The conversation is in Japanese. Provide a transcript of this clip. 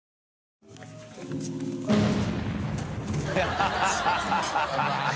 ハハハ